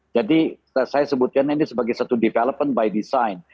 jadi saya sebutkan ini sebagai satu development by design